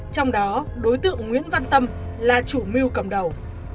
trong đó đối tượng nguyễn văn tâm là chủ mưu cầm đầu